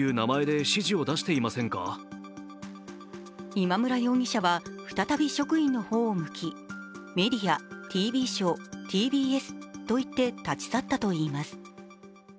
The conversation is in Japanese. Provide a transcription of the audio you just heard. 今村容疑者は再び職員の方を向き「メディア、ＴＶショー、ＴＢＳ」と言って立ち去ったといいます。